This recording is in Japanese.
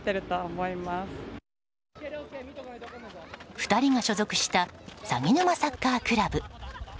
２人が所属したさぎぬまサッカークラブ。